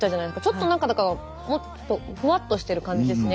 ちょっとなんかだからもっとふわっとしてる感じですね